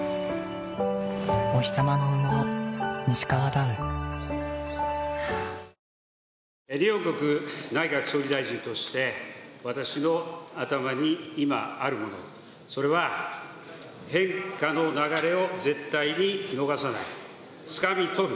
大空あおげ内閣総理大臣として私の頭に今あるものそれは変化の流れを絶対に逃さない、つかみ取る。